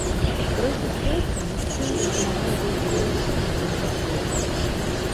Пры сустрэчы мужчына прапанаваў ёй заняцца інтым-паслугамі.